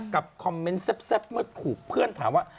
กับคอมเมนต์แซ่บเมื่อถูกเพื่อนถามว่า